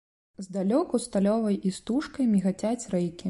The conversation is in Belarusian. Здалёку сталёвай істужкай мігацяць рэйкі.